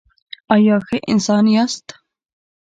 ایا ښه انسان یاست؟